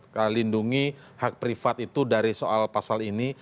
kita lindungi hak privat itu dari soal pasal ini